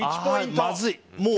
まずい。